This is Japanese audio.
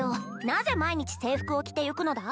なぜ毎日制服を着てゆくのだ？